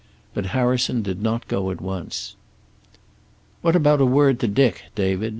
But Harrison did not go at once. "What about word to Dick, David?"